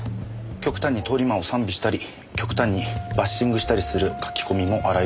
極端に通り魔を賛美したり極端にバッシングしたりする書き込みも洗い出されてますね。